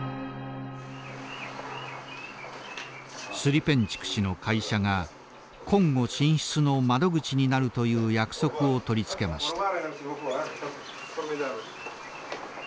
スリペンチュク氏の会社がコンゴ進出の窓口になるという約束を取り付けました。